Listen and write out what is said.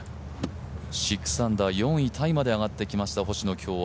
６アンダー、４位タイまで上がってきた星野。